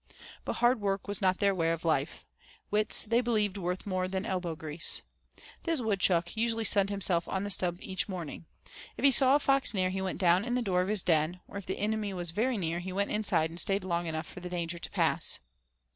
But hard work was not their way of life; wits they believed worth more then elbowgrease. This woodchuck usually sunned himself on the stump each morning. If he saw a fox near he went down in the door of his den, or if the enemy was very near he went inside and stayed long enough for the danger to pass.